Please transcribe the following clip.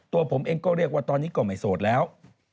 ตัวผมเองก็เรียกว่าตอนนี้ก็ไม่โสดแล้ว